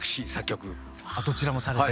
どちらもされて？